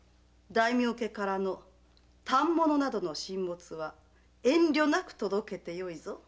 大名家からの反物などの進物は遠慮なく届けてよいぞ。